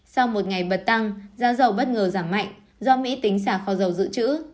sau một ngày bật tăng giá dầu bất ngờ giảm mạnh do mỹ tính xả kho dầu dự trữ